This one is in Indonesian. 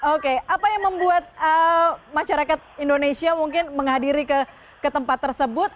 oke apa yang membuat masyarakat indonesia mungkin menghadiri ke tempat tersebut